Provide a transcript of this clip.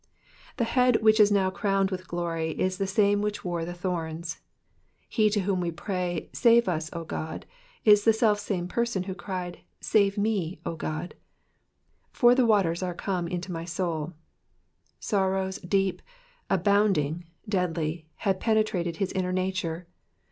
The head which now is crowned with glory is the same which wore the thorns ; he to whom we pray, Save us, O God/* is the selfsame person who cried, '' Save me, O God.'' J?br the waters are come in unto my wuV^ Sorrows, deep, abounding, deadly, had penetrated his inner nature.